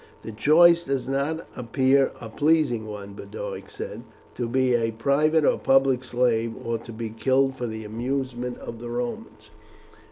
"The choice does not appear a pleasing one," Boduoc said, "to be a private or public slave, or to be killed for the amusement of the Romans."